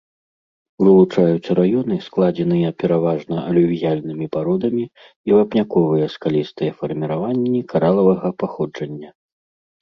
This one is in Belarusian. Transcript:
Вылучаюць раёны, складзеныя пераважна алювіяльнымі пародамі, і вапняковыя скалістыя фарміраванні каралавага паходжання.